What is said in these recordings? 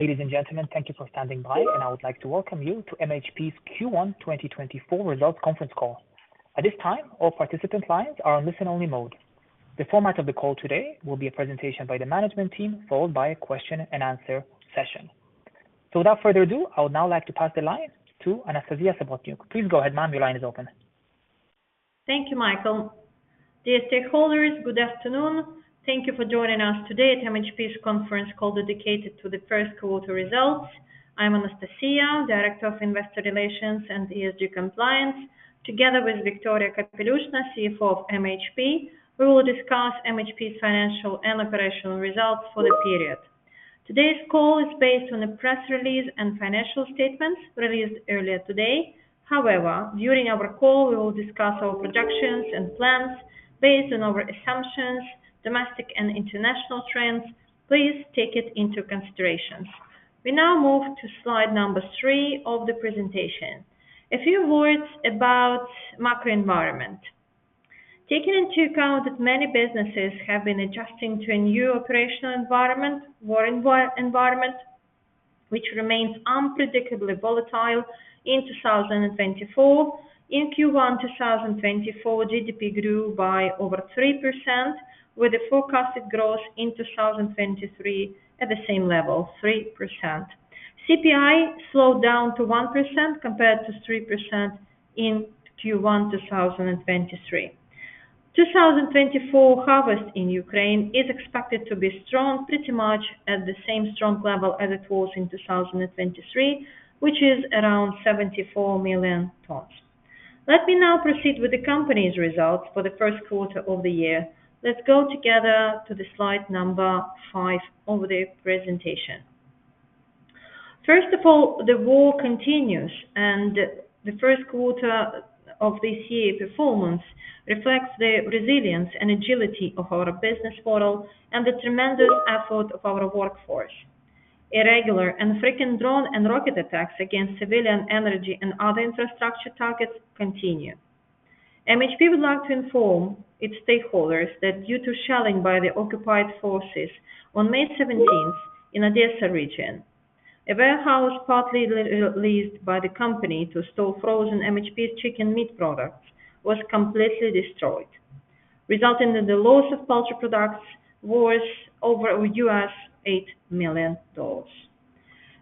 Ladies and gentlemen, thank you for standing by, and I would like to welcome you to MHP's Q1 2024 Results Conference Call. At this time, all participant lines are on listen-only mode. The format of the call today will be a presentation by the management team, followed by a question and answer session. So without further ado, I would now like to pass the line to Anastasiya Sobotyuk. Please go ahead, ma'am. Your line is open. Thank you, Michael. Dear stakeholders, good afternoon. Thank you for joining us today at MHP's conference call, dedicated to the first quarter results. I'm Anastasiya, Director of Investor Relations and ESG Compliance. Together with Viktoria Kapelyushnaya, CFO of MHP, we will discuss MHP's financial and operational results for the period. Today's call is based on a press release and financial statements released earlier today. However, during our call, we will discuss our projections and plans based on our assumptions, domestic and international trends. Please take it into consideration. We now move to slide number three of the presentation. A few words about macro environment. Taking into account that many businesses have been adjusting to a new operational environment, war environment, which remains unpredictably volatile in 2024. In Q1 2024, GDP grew by over 3%, with the forecasted growth in 2023 at the same level, 3%. CPI slowed down to 1%, compared to 3% in Q1 2023. 2024 harvest in Ukraine is expected to be strong, pretty much at the same strong level as it was in 2023, which is around 74 million tons. Let me now proceed with the company's results for the first quarter of the year. Let's go together to the Slide number five of the presentation. First of all, the war continues, and the first quarter of this year, performance reflects the resilience and agility of our business model and the tremendous effort of our workforce. Irregular and frequent drone and rocket attacks against civilian energy and other infrastructure targets continue. MHP would like to inform its stakeholders that due to shelling by the occupying forces on May seventeenth in Odesa region, a warehouse partly leased by the company to store frozen MHP's chicken meat products, was completely destroyed, resulting in the loss of poultry products worth over $8 million.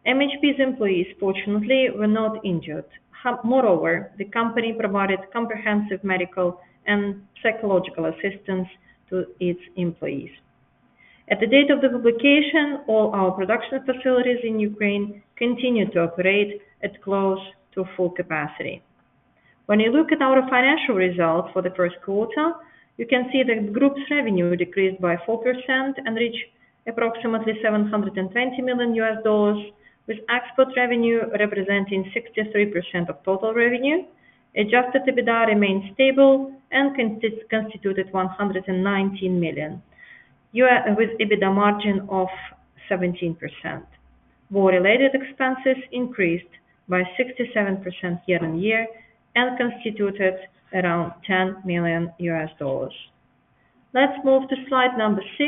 MHP's employees, fortunately, were not injured. Moreover, the company provided comprehensive medical and psychological assistance to its employees. At the date of the publication, all our production facilities in Ukraine continue to operate at close to full capacity. When you look at our financial results for the first quarter, you can see the group's revenue decreased by 4% and reached approximately $720 million, with export revenue representing 63% of total revenue. Adjusted EBITDA remains stable and constituted $119 million, with EBITDA margin of 17%. War-related expenses increased by 67% year-on-year and constituted around $10 million. Let's move to slide 6,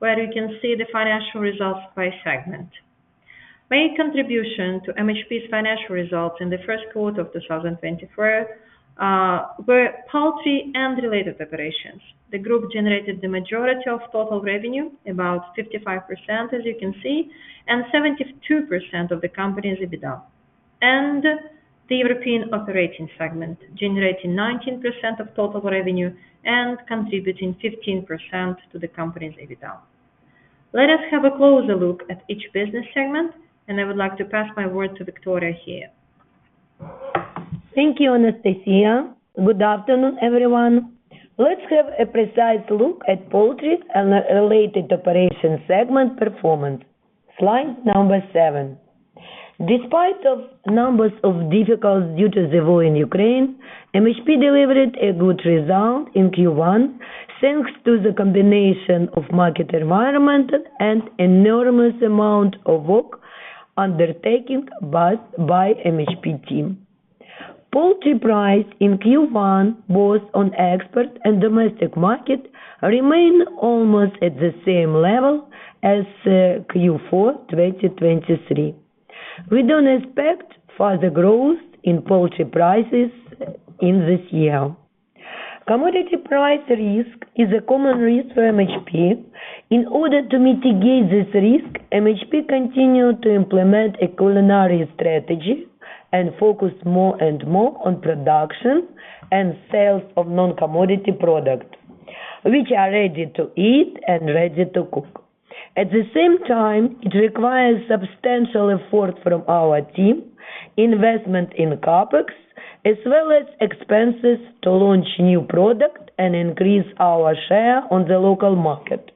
where you can see the financial results by segment. Main contribution to MHP's financial results in the first quarter of 2024 were poultry and related operations. The group generated the majority of total revenue, about 55%, as you can see, and 72% of the company's EBITDA, and the European operating segment, generating 19% of total revenue and contributing 15% to the company's EBITDA. Let us have a closer look at each business segment, and I would like to pass my word to Viktoria here. Thank you, Anastasiya. Good afternoon, everyone. Let's have a precise look at poultry and the related operations segment performance. Slide seven. Despite a number of difficulties due to the war in Ukraine, MHP delivered a good result in Q1, thanks to the combination of market environment and enormous amount of work undertaken by MHP team. Poultry price in Q1, both on export and domestic market, remained almost at the same level as Q4 2023. We don't expect further growth in poultry prices in this year. Commodity price risk is a common risk for MHP. In order to mitigate this risk, MHP continued to implement a culinary strategy and focus more and more on production and sales of non-commodity product, which are ready to eat and ready to cook. At the same time, it requires substantial effort from our team, investment in CapEx, as well as expenses to launch new product and increase our share on the local market.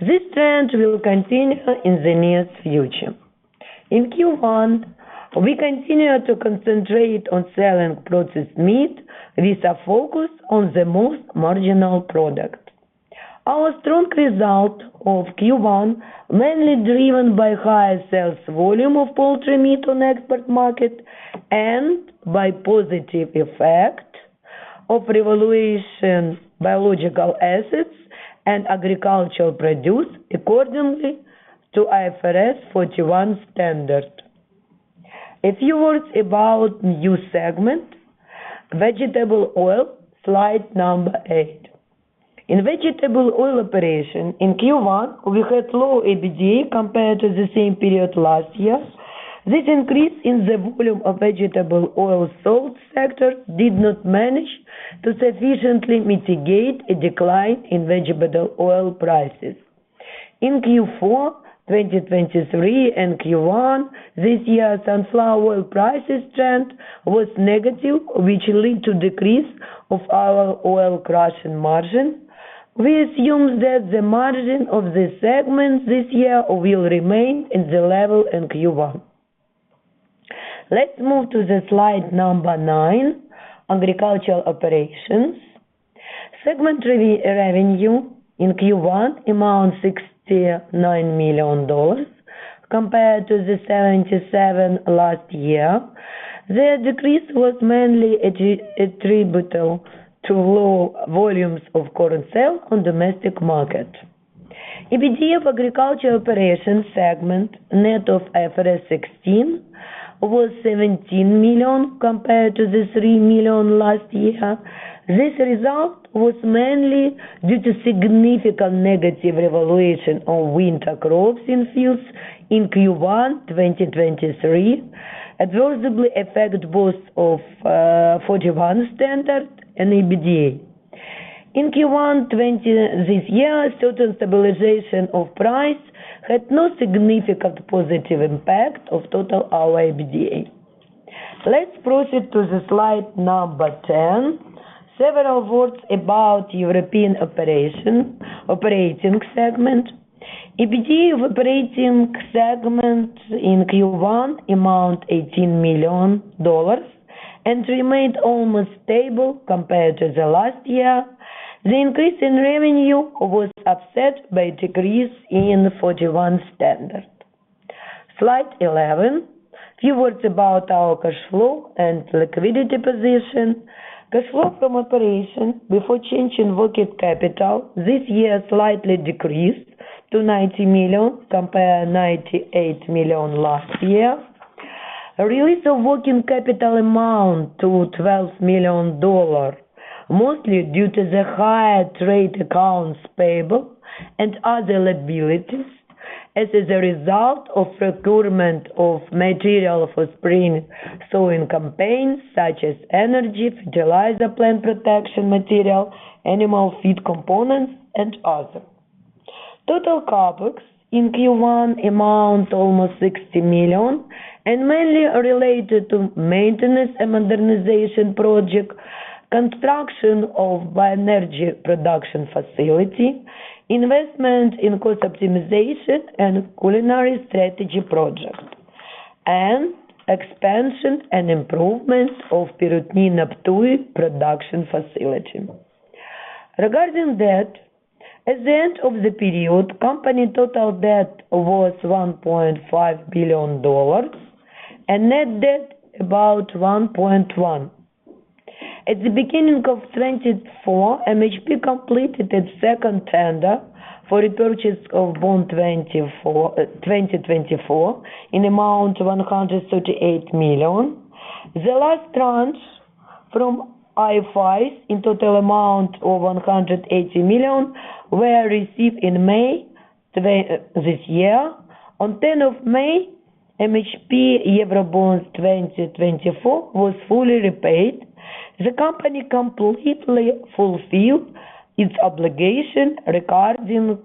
This trend will continue in the nearest future. In Q1, we continue to concentrate on selling processed meat with a focus on the most marginal product. Our strong result of Q1, mainly driven by higher sales volume of poultry meat on export market and by positive effect of revaluation biological assets and agricultural produce according to IFRS 41 standard. A few words about new segment, vegetable oil, slide number 8. In vegetable oil operation in Q1, we had low EBITDA compared to the same period last year. This increase in the volume of vegetable oil sold sector did not manage to sufficiently mitigate a decline in vegetable oil prices. In Q4 2023 and Q1 this year, sunflower oil prices trend was negative, which led to decrease of our oil crushing margin. We assume that the margin of this segment this year will remain in the level in Q1. Let's move to the Slide nine, Agricultural Operations. Segment revenue in Q1 amount $69 million compared to the $77 million last year. The decrease was mainly attributable to low volumes of corn sales on domestic market. EBITDA of agriculture operation segment, net of IFRS 16, was $17 million compared to the $3 million last year. This result was mainly due to significant negative revaluation of winter crops in fields in Q1 2023, adversely affected both IFRS 41 and EBITDA. In Q1 2024, total stabilization of price had no significant positive impact of total our EBITDA. Let's proceed to the Slide 10. Several words about European operation, operating segment. EBITDA of operating segment in Q1 amount $18 million and remained almost stable compared to the last year. The increase in revenue was offset by decrease in IFRS 41. Slide 11, few words about our cash flow and liquidity position. Cash flow from operation before change in working capital this year slightly decreased to $90 million, compared $98 million last year. Release of working capital amount to $12 million dollar, mostly due to the higher trade accounts payable and other liabilities, as a result of procurement of material for spring sowing campaigns such as energy, fertilizer, plant protection material, animal feed components, and other. Total CapEx in Q1 amount almost $60 million, and mainly related to maintenance and modernization project, construction of bioenergy production facility, investment in cost optimization and culinary strategy project, and expansion and improvement of Periatnina Ptuj production facility. Regarding debt, at the end of the period, company total debt was $1.5 billion, and net debt about $1.1 billion. At the beginning of 2024, MHP completed its second tender for repurchase of bond 2024, in amount $138 million. The last tranche from IFIs in total amount of $180 million were received in May this year. On tenth of May, MHP Eurobond 2024 was fully repaid. The company completely fulfilled its obligation regarding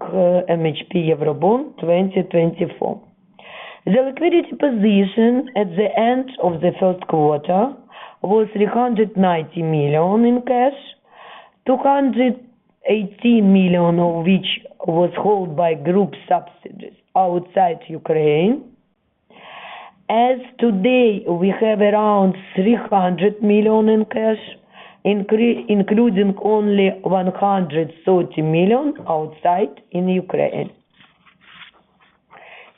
MHP Eurobond 2024. The liquidity position at the end of the first quarter was $390 million in cash, $280 million of which was held by group subsidiaries outside Ukraine. As today, we have around $300 million in cash, including only $130 million outside of Ukraine.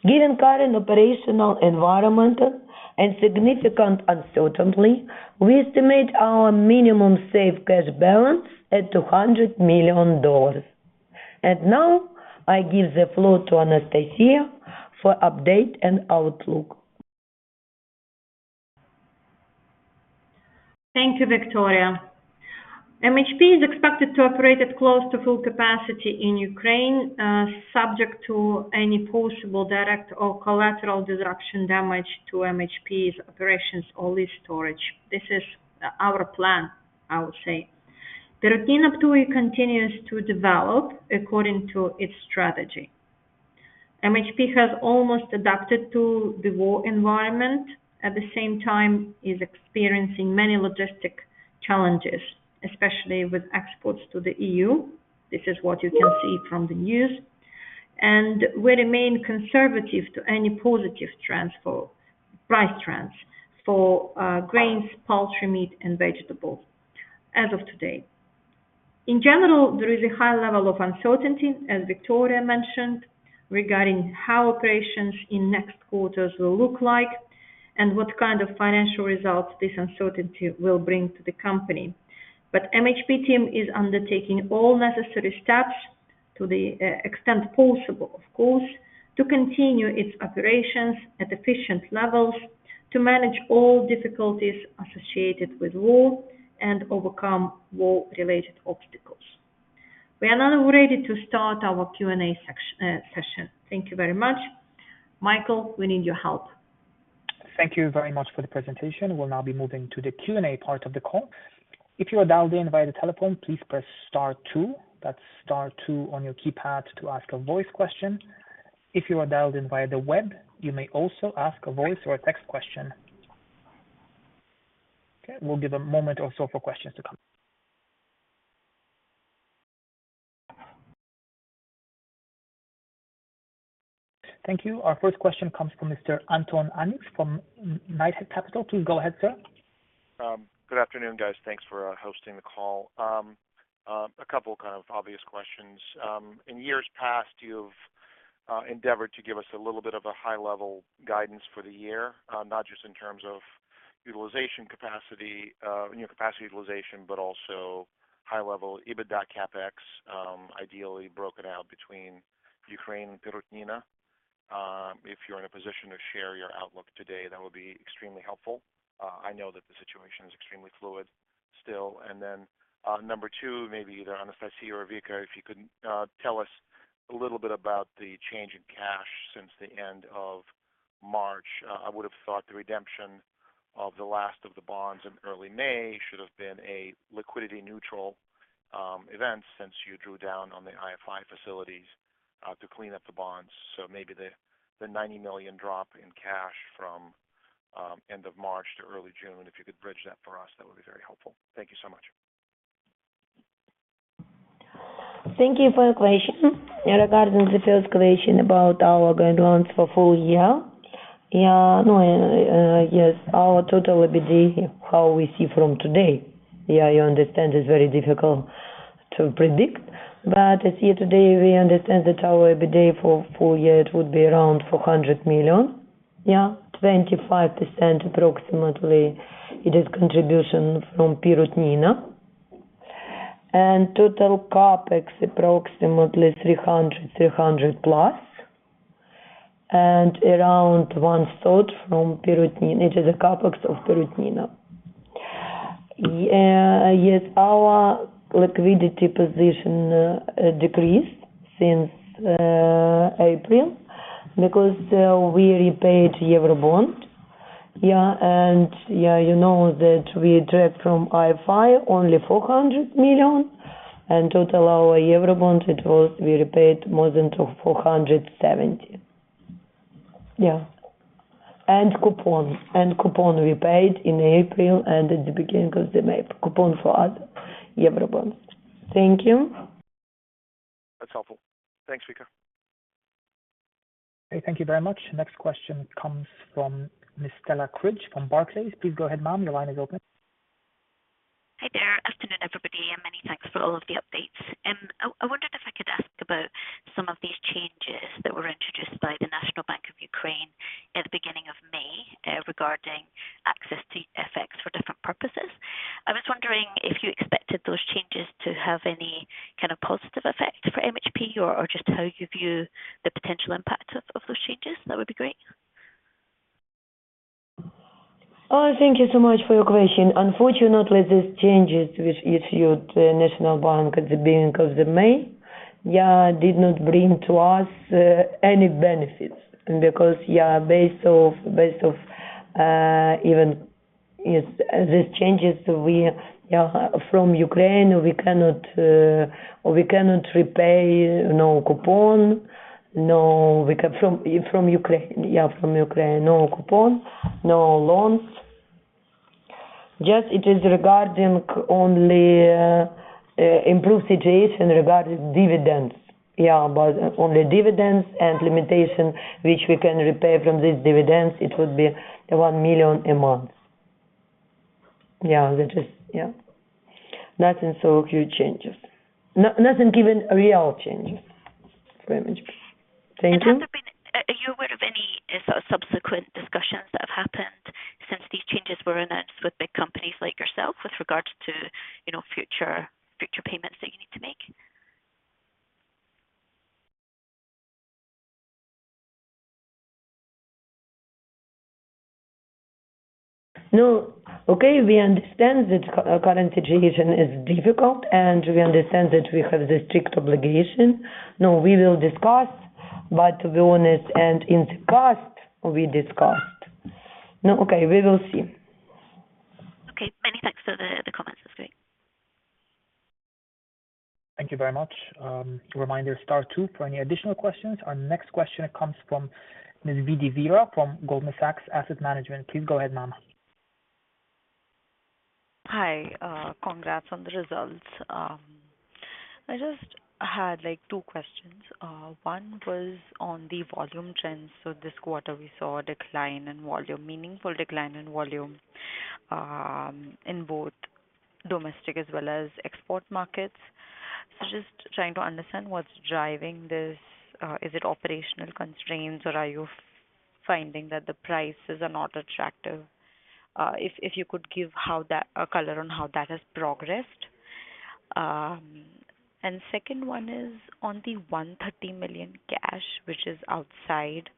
Given current operational environment and significant uncertainty, we estimate our minimum safe cash balance at $200 million. And now, I give the floor to Anastasiya for update and outlook. Thank you, Victoria. MHP is expected to operate at close to full capacity in Ukraine, subject to any possible direct or collateral disruption damage to MHP's operations or lease storage. This is our plan, I would say. Perutnina Ptuj continues to develop according to its strategy. MHP has almost adapted to the war environment. At the same time, is experiencing many logistic challenges, especially with exports to the EU. This is what you can see from the news. And we remain conservative to any positive trends for price trends for grains, poultry, meat, and vegetables as of today. In general, there is a high level of uncertainty, as Victoria mentioned, regarding how operations in next quarters will look like and what kind of financial results this uncertainty will bring to the company. But MHP team is undertaking all necessary steps to the extent possible, of course, to continue its operations at efficient levels, to manage all difficulties associated with war, and overcome war-related obstacles. We are now ready to start our Q&A session. Thank you very much. Michael, we need your help. Thank you very much for the presentation. We'll now be moving to the Q&A part of the call. If you are dialed in via the telephone, please press star two, that's star two on your keypad to ask a voice question. If you are dialed in via the web, you may also ask a voice or a text question. Okay, we'll give a moment or so for questions to come. Thank you. Our first question comes from Mr. Anton Anikst from Knighthead Capital. Please go ahead, sir. Good afternoon, guys. Thanks for hosting the call. A couple kind of obvious questions. In years past, you've endeavored to give us a little bit of a high level guidance for the year, not just in terms of utilization capacity, new capacity utilization, but also high level EBITDA CapEx, ideally broken out between Ukraine, Perutnina. If you're in a position to share your outlook today, that would be extremely helpful. I know that the situation is extremely fluid still. And then, number two, maybe either Anastasiya or Vika, if you could, tell us a little bit about the change in cash since the end of March. I would have thought the redemption of the last of the bonds in early May should have been a liquidity neutral event since you drew down on the IFI facilities to clean up the bonds. So maybe the $90 million drop in cash from end of March to early June, if you could bridge that for us, that would be very helpful. Thank you so much. Thank you for your question. Regarding the first question about our guidelines for full year, yeah, no, yes, our total EBITDA, how we see from today, yeah, you understand it's very difficult to predict, but as here today, we understand that our EBITDA for full year, it would be around $400 million. Yeah, 25%, approximately, it is contribution from Perutnina. And total CapEx, approximately $300, $300+, and around one third from Perutnina, it is a CapEx of Perutnina. Yes, our liquidity position decreased since April, because we repaid Eurobond. Yeah, and, yeah, you know that we direct from IFI only $400 million, and total our Eurobond, it was -- we repaid more than $470 million. Yeah. And coupon, and coupon we paid in April and at the beginning of May, coupon for other Eurobond. Thank you. That's helpful. Thanks, Vika. Okay, thank you very much. Next question comes from Ms. Stella Cridge, from Barclays. Please go ahead, ma'am. Your line is open. Hi there. Afternoon, everybody, and many thanks for all of the updates. I wondered if I could ask about some of these changes that were introduced by the National Bank of Ukraine at the beginning of May, regarding access to FX for different purposes. I was wondering if you expected those changes to have any kind of positive effect for MHP, or just how you view the potential impact of those changes? That would be great. Thank you so much for your question. Unfortunately, these changes which issued the National Bank at the beginning of May, yeah, did not bring to us any benefits. Because, yeah, based on even yes these changes we, yeah, from Ukraine we cannot repay no coupon, no, we can from from Ukraine, yeah, from Ukraine no coupon, no loans. Just it is regarding only improved situation regarding dividends. Yeah, but only dividends and limitation which we can repay from these dividends, it would be $1 million a month. Yeah, that is... Yeah. Nothing so huge changes. Nothing giving real changes for MHP. Thank you. Has there been, are you aware of any sort of subsequent discussions that have happened since these changes were announced with big companies like yourself with regards to, you know, future, future payments that you need to make? No. Okay, we understand that current situation is difficult, and we understand that we have the strict obligation. No, we will discuss, but to be honest, and in the past, we discussed. No, okay, we will see. Okay. Many thanks for the comments. That's great. Thank you very much. A reminder, star two for any additional questions. Our next question comes from Ms. Vidhi Vira from Goldman Sachs Asset Management. Please go ahead, ma'am. Hi, congrats on the results. I just had, like, two questions. One was on the volume trends. So this quarter we saw a decline in volume, meaningful decline in volume, in both domestic as well as export markets. So just trying to understand what's driving this. Is it operational constraints or are you finding that the prices are not attractive? If you could give a color on how that has progressed. And second one is on the $130 million cash, which is outside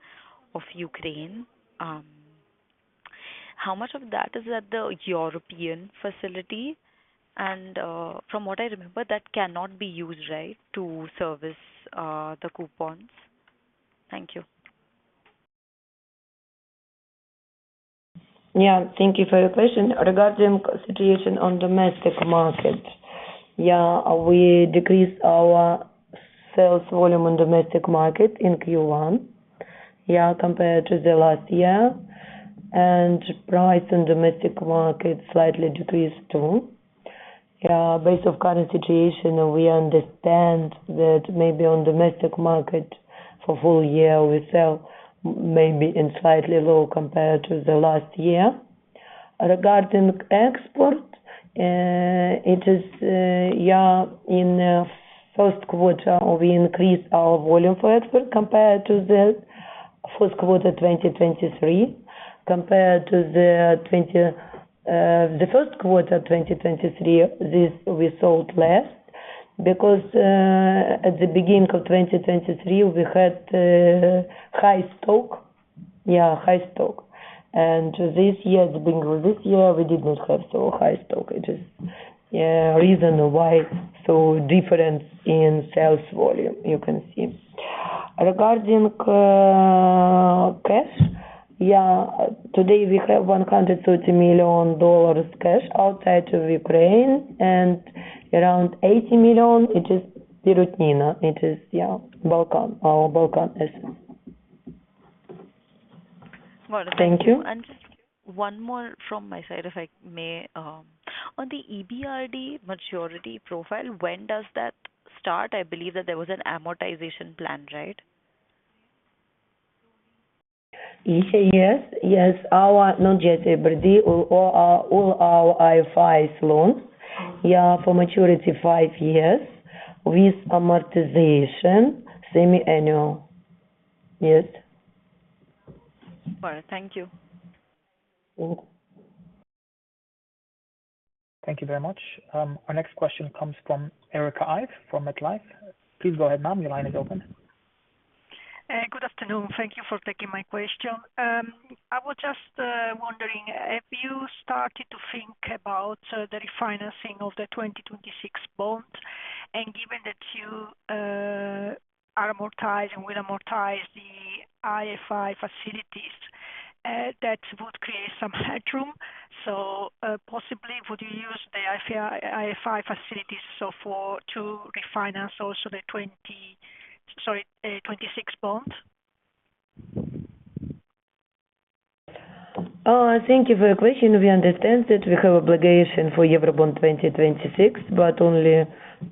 of Ukraine. How much of that is at the European facility? And from what I remember, that cannot be used, right, to service the coupons? Thank you. Yeah, thank you for your question. Regarding situation on domestic market, yeah, we decreased our sales volume on domestic market in Q1, yeah, compared to the last year, and price in domestic market slightly decreased, too. Yeah, based on current situation, we understand that maybe on domestic market for full year, we sell maybe in slightly low compared to the last year. Regarding export, it is, yeah, in first quarter, we increased our volume for export compared to the first quarter, 2023. Compared to the first quarter, 2023, this we sold less because, at the beginning of 2023, we had high stock. Yeah, high stock. And this year, the beginning of this year, we did not have so high stock. It is, yeah, reason why so different in sales volume, you can see. Regarding cash, yeah, today we have $130 million cash outside of Ukraine, and around $80 million, it is in Perutnina. It is, yeah, Balkan. Our Balkan is... Wonderful. Thank you. Just one more from my side, if I may. On the EBRD maturity profile, when does that start? I believe that there was an amortization plan, right? Yes. Yes, our not just EBRD, all, all our IFIs loans, yeah, for maturity five years with amortization semi-annual. Yes. All right. Thank you. You're welcome. Thank you very much. Our next question comes from Erika Ivey from MetLife. Please go ahead, ma'am. Your line is open. Good afternoon. Thank you for taking my question. I was just wondering, have you started to think about the refinancing of the 2026 bond? And given that you amortize and will amortize the IFI facilities, that would create some headroom. So, possibly, would you use the IFI facilities to refinance also the 2026 bond? Thank you for your question. We understand that we have obligation for Eurobond 2026, but only,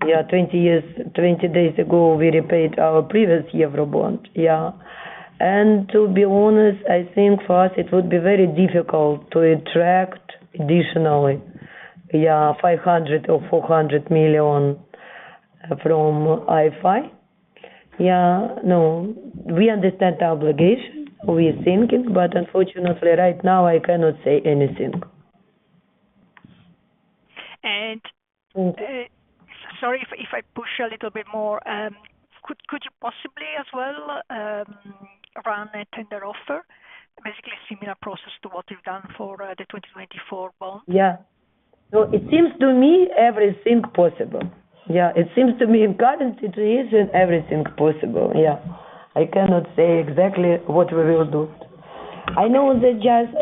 yeah, 20 years, 20 days ago, we repaid our previous Eurobond, yeah. And to be honest, I think for us it would be very difficult to attract additionally, yeah, $500 million or $400 million from IFI. Yeah, no, we understand the obligation. We think it, but unfortunately, right now, I cannot say anything. Sorry, if I push a little bit more, could you possibly as well run a tender offer, basically a similar process to what you've done for the 2024 bond? Yeah. So it seems to me everything possible. Yeah, it seems to me in current situation, everything possible, yeah. I cannot say exactly what we will do. I know that just,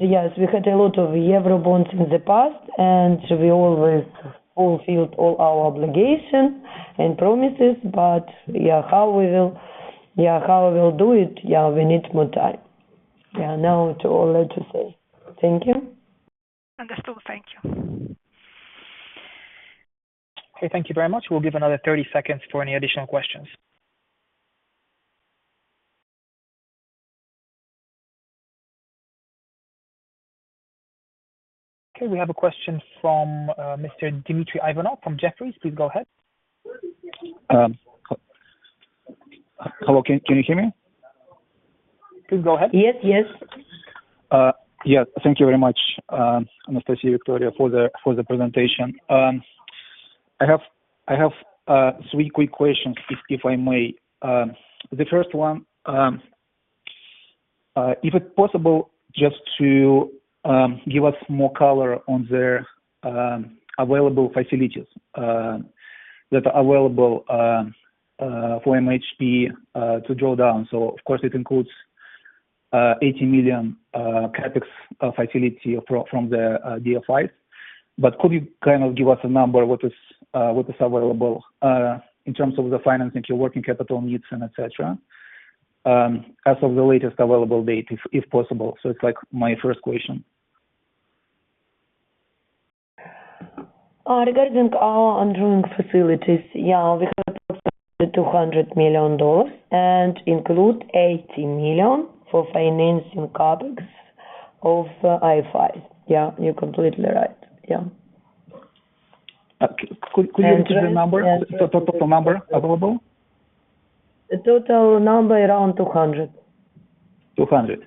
yes, we had a lot of Eurobonds in the past, and we always fulfilled all our obligation and promises, but, yeah, how we will, yeah, how we will do it, yeah, we need more time. Yeah, now to all I just said. Thank you. Understood. Thank you. Okay, thank you very much. We'll give another 30 seconds for any additional questions. Okay, we have a question from Mr. Dmitry Ivanov from Jefferies. Please go ahead. Hello, can you hear me? Please go ahead. Yes, yes. Yeah, thank you very much, Anastasia, Victoria, for the presentation. I have three quick questions, if I may. The first one, if it's possible, just to give us more color on the available facilities that are available for MHP to draw down. So of course, it includes $80 million CapEx facility from the DFIs. But could you kind of give us a number what is available in terms of the financing, your working capital needs, and et cetera, as of the latest available date, if possible? So it's, like, my first question. Regarding our undrawn facilities, yeah, we have $200 million and include $80 million for financing CapEx of IFI. Yeah, you're completely right. Yeah. Could you repeat the number? The total number available. The total number around 200. 200.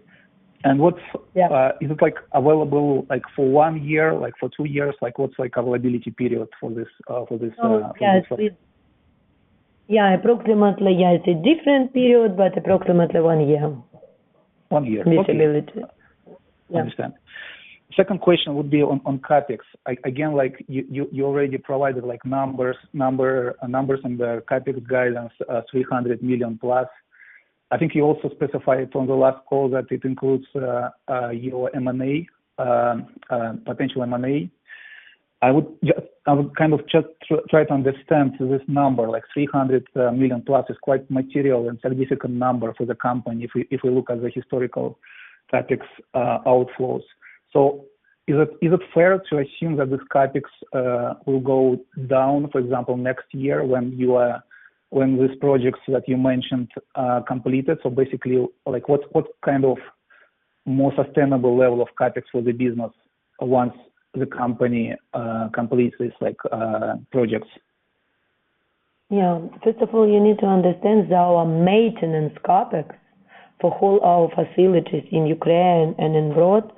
And what's- Yeah. Is it, like, available, like, for one year, like, for two years? Like, what's, like, availability period for this? Oh, yeah, it's with... Yeah, approximately, yeah, it's a different period, but approximately one year. One year. Availability. I understand. Second question would be on CapEx. Again, like, you already provided, like, numbers on the CapEx guidance, $300 million+. I think you also specified on the last call that it includes your M&A, potential M&A. I would kind of just try to understand this number, like, $300 million+ is quite material and significant number for the company if we look at the historical CapEx outflows. So is it fair to assume that this CapEx will go down, for example, next year when these projects that you mentioned are completed? So basically, like, what kind of more sustainable level of CapEx for the business once the company completes this, like, projects? Yeah. First of all, you need to understand that our maintenance CapEx for whole our facilities in Ukraine and abroad,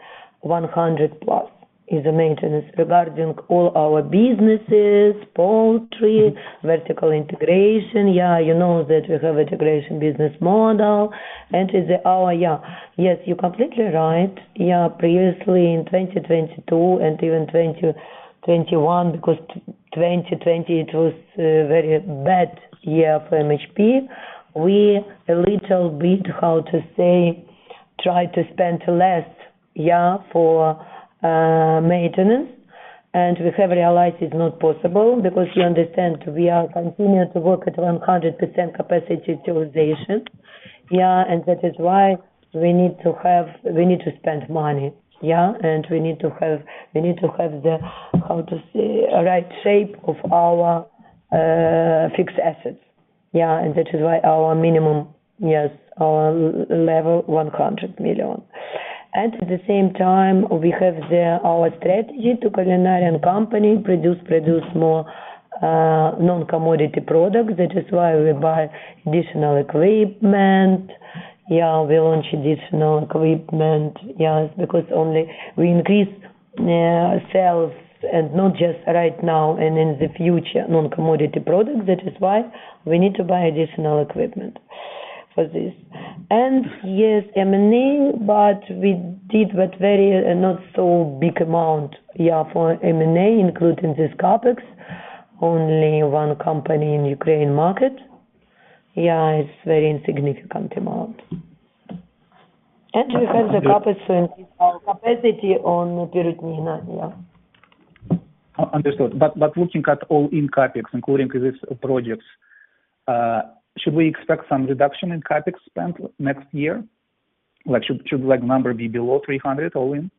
100+ is a maintenance. Regarding all our businesses, poultry, vertical integration, yeah, you know that we have integration business model, and is our... Yeah. Yes, you're completely right. Yeah, previously in 2022 and even 2021, because twenty twenty it was very bad year for MHP. We, a little bit, how to say, tried to spend less, yeah, for maintenance, and we have realized it's not possible, because you understand we are continuing to work at 100% capacity utilization. Yeah, and that is why we need to have-- we need to spend money, yeah, and we need to have, we need to have the, how to say, a right shape of our fixed assets. Yeah, and that is why our minimum, yes, our level 100 million. And at the same time, we have the, our strategy to culinary and company produce more non-commodity products. That is why we buy additional equipment. Yeah, we launch additional equipment, yes, because only we increase sales, and not just right now and in the future, non-commodity products. That is why we need to buy additional equipment for this. And yes, M&A, but we did, but very not so big amount, yeah, for M&A, including this CapEx, only one company in Ukraine market. Yeah, it's very insignificant amount. And we have the CapEx to increase our capacity on in Perutnina, yeah. Understood. But looking at all in CapEx, including this projects, should we expect some reduction in CapEx spend next year? Like, should number be below $300, all in?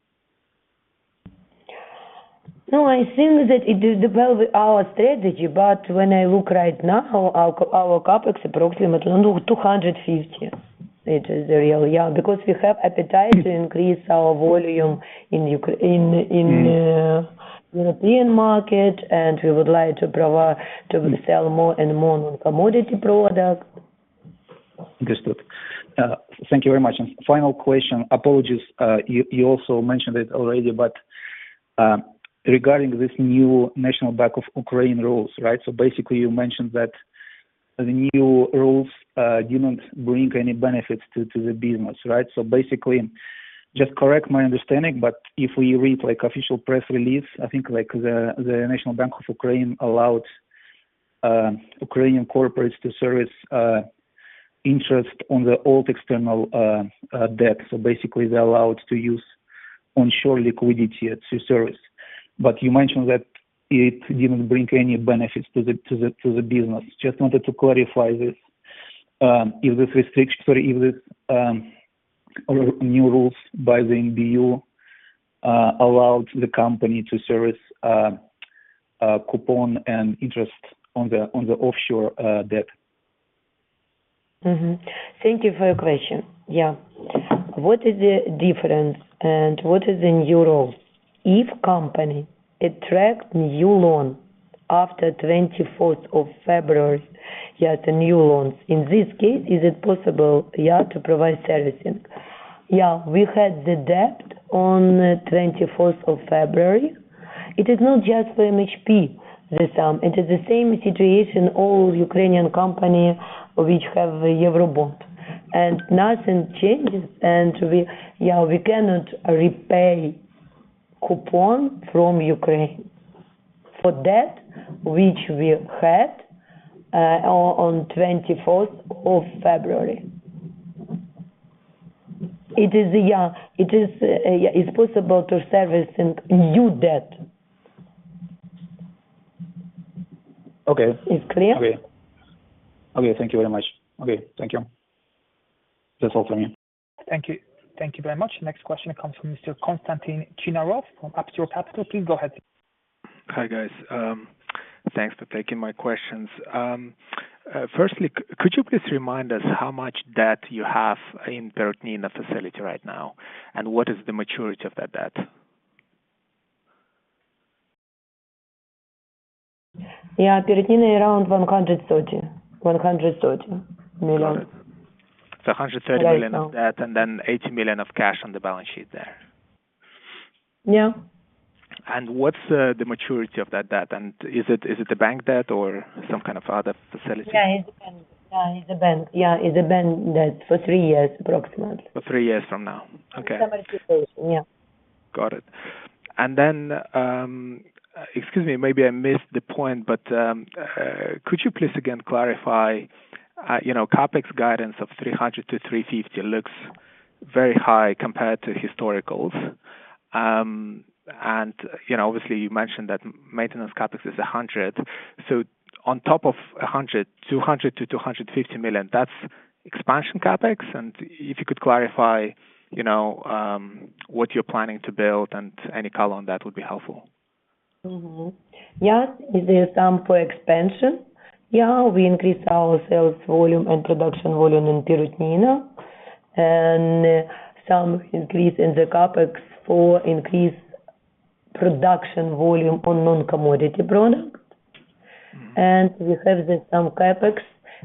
No, I think that it de-develop our strategy, but when I look right now, our CapEx approximately around $250. It is real, yeah, because we have appetite to increase our volume in Ukraine, in the European market, and we would like to provide, to sell more and more non-commodity product. Understood. Thank you very much. And final question, apologies, you also mentioned it already, but, regarding this new National Bank of Ukraine rules, right? So basically, you mentioned that the new rules do not bring any benefits to the business, right? So basically, just correct my understanding, but if we read, like, official press release, I think, like, the National Bank of Ukraine allowed Ukrainian corporates to service interest on the old external debt. So basically, they're allowed to use onshore liquidity to service. But you mentioned that it didn't bring any benefits to the business. Just wanted to clarify this, if this restriction, sorry, if this or new rules by the NBU allowed the company to service coupon and interest on the offshore debt. Mm-hmm. Thank you for your question. Yeah. What is the difference and what is the new role? If company attract new loan after twenty-fourth of February, yeah, the new loans, in this case, is it possible, yeah, to provide servicing? Yeah, we had the debt on twenty-fourth of February. It is not just for MHP, the sum, it is the same situation, all Ukrainian company which have a Eurobond, and nothing changes and we... Yeah, we cannot repay coupon from Ukraine for debt which we had, on twenty-fourth of February. It is, yeah, it is, yeah, it's possible to service in new debt.... Okay. Is clear? Okay. Okay, thank you very much. Okay, thank you. That's all for me. Thank you. Thank you very much. Next question comes from Mr. Konstantin Chinarov from Aptior Capital. Please go ahead. Hi, guys. Thanks for taking my questions. Firstly, could you please remind us how much debt you have in Perutnina facility right now, and what is the maturity of that debt? Yeah, Perutnina around $130, $130 million. So $100 million- Yeah. -of debt, and then $80 million of cash on the balance sheet there? Yeah. And what's the maturity of that debt? And is it a bank debt or some kind of other facility? Yeah, it's a bank. Yeah, it's a bank. Yeah, it's a bank debt for 3 years, approximately. For three years from now? Okay. Summary presentation, yeah. Got it. And then, excuse me, maybe I missed the point, but, could you please again clarify, you know, CapEx guidance of $300 million-$350 million looks very high compared to historicals. And, you know, obviously, you mentioned that maintenance CapEx is $100 million. So on top of $100 million, $200 million-$250 million, that's expansion CapEx? And if you could clarify, you know, what you're planning to build and any color on that would be helpful. Mm-hmm. Yes, it is time for expansion. Yeah, we increased our sales volume and production volume in Perutnina, and some increase in the CapEx for increased production volume on non-commodity product. Mm-hmm. We have the same CapEx,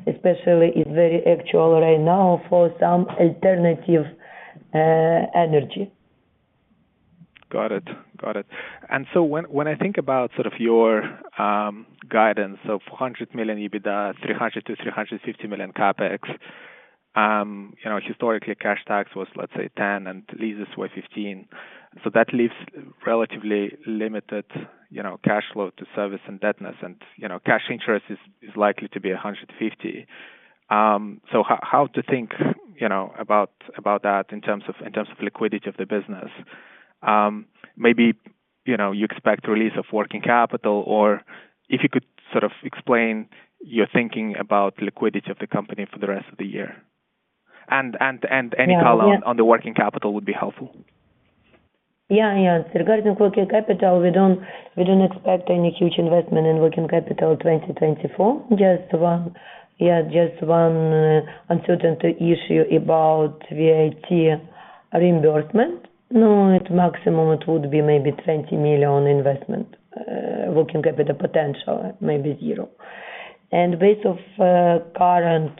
especially. It's very actual right now for some alternative energy. Got it. Got it. And so when, when I think about sort of your guidance of $100 million EBITDA, $300 million-$350 million CapEx, you know, historically, cash tax was, let's say, $10 million, and leases were $15 million. So that leaves relatively limited, you know, cash flow to service and debt, you know, cash interest is likely to be $150 million. So how, how to think, you know, about, about that in terms of, in terms of liquidity of the business? Maybe, you know, you expect release of working capital, or if you could sort of explain your thinking about liquidity of the company for the rest of the year. And, and, and any color- Yeah. on the working capital would be helpful. Yeah, yes. Regarding working capital, we don't expect any huge investment in working capital in 2024. Just one uncertainty issue about VAT reimbursement. No, at maximum it would be maybe $20 million investment, working capital potential, maybe zero. And based on current,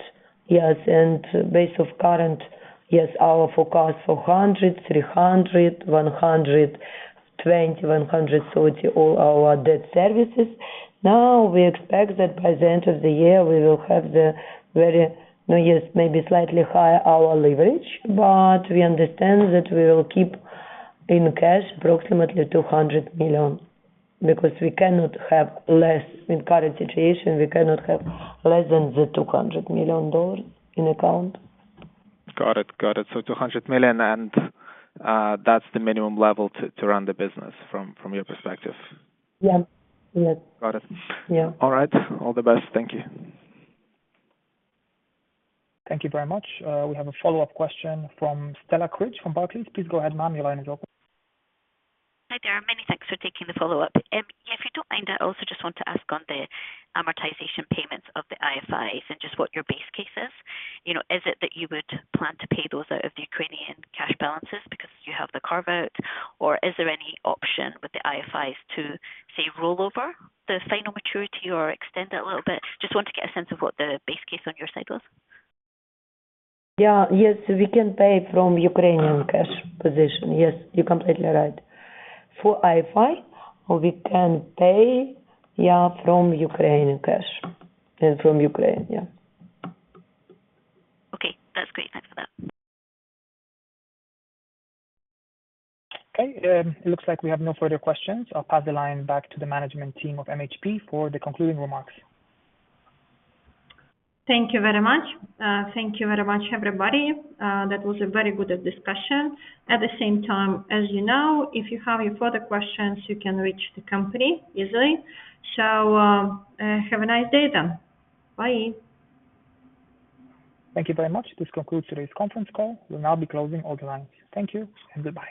our forecast for $100, $300, $120, $130, all our debt services. Now, we expect that by the end of the year, we will have maybe slightly higher our leverage, but we understand that we will keep in cash approximately $200 million. Because we cannot have less, in current situation, we cannot have less than the $200 million in account. Got it. Got it. So $200 million, and, that's the minimum level to run the business from your perspective? Yeah. Yes. Got it. Yeah. All right. All the best. Thank you. Thank you very much. We have a follow-up question from Stella Cridge, from Barclays. Please go ahead, ma'am, your line is open. Hi, there. Many thanks for taking the follow-up. Yeah, if you don't mind, I also just want to ask on the amortization payments of the IFIs and just what your base case is. You know, is it that you would plan to pay those out of the Ukrainian cash balances because you have the carve-out, or is there any option with the IFIs to, say, roll over the final maturity or extend that a little bit? Just want to get a sense of what the base case on your side was. Yeah. Yes, we can pay from Ukrainian cash position. Yes, you're completely right. For IFI, we can pay, yeah, from Ukrainian cash and from Ukraine, yeah. Okay. That's great. Thanks for that. Okay, it looks like we have no further questions. I'll pass the line back to the management team of MHP for the concluding remarks. Thank you very much. Thank you very much, everybody. That was a very good discussion. At the same time, as you know, if you have any further questions, you can reach the company easily. So, have a nice day, then. Bye. Thank you very much. This concludes today's conference call. We'll now be closing all the lines. Thank you, and goodbye.